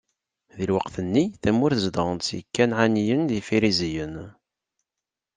Di lweqt-nni, tamurt zedɣen- tt Ikanɛaniyen d Ifiriziyen.